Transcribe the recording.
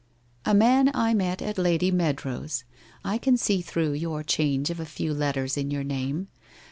' A man I met at Lady Meadrow's. I can see through your change of a few letters in your name.